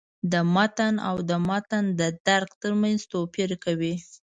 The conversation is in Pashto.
د «متن» او «د متن د درک» تر منځ توپیر کوي.